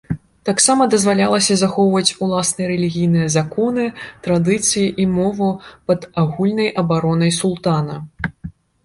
Таксама дазвалялася захоўваць уласныя рэлігійныя законы, традыцыі і мову, пад агульнай абаронай султана.